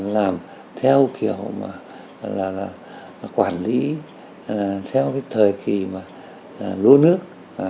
làm theo kiểu mà quản lý theo cái thời kỳ mà lô nước